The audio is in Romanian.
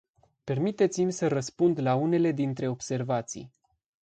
Permiteți-mi să răspund la unele dintre observații.